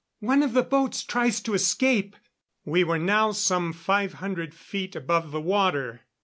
"One of the boats tries to escape." We were now some five hundred feet above the water.